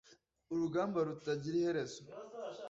urugamba rutagira iherezo